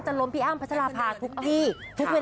ต้องข่าวหน้าหนึ่งไทยรัฐแล้วนะ